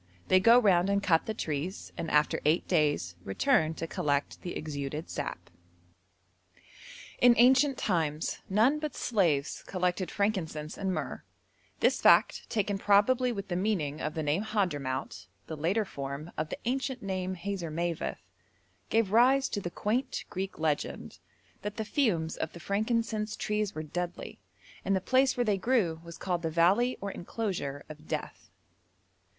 They go round and cut the trees, and after eight days return to collect the exuded sap. In ancient times none but slaves collected frankincense and myrrh. This fact, taken probably with the meaning of the name Hadhramout (the later form of the ancient name Hazarmaveth), gave rise to the quaint Greek legend 'that the fumes of the frankincense trees were deadly, and the place where they grew was called the valley or enclosure of death.'